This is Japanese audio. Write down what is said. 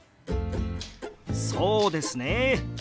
そうですね